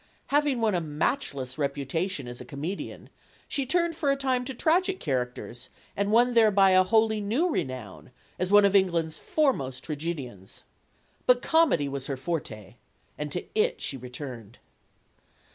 Having won a matchless reputation as a comedian, she turned for a time to tragic characters, and won thereby a wholly new renown as one of England's foremost tragedians. But comedy was her forte. And to it she returned.